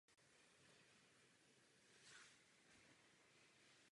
Dnes je studentkou univerzity v Mariboru.